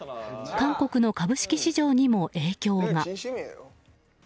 韓国の株式市場にも影響が。